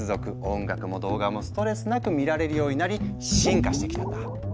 音楽も動画もストレスなく見られるようになり進化してきたんだ。